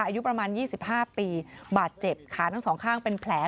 อายุประมาณ๒๕ปีบาดเจ็บขาทั้งสองข้างเป็นแผล